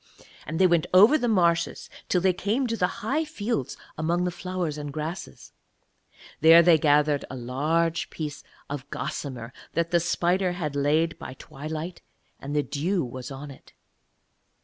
And they went over the marshes till they came to the high fields among the flowers and grasses. And there they gathered a large piece of gossamer that the spider had laid by twilight; and the dew was on it.